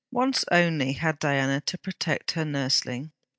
Once only had Diana to protect her nurseling.